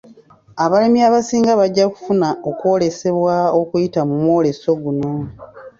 Abalimi abasinga bajja kufuna okwolesebwa okuyita mu mwoleso guno.